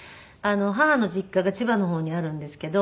母の実家が千葉の方にあるんですけど。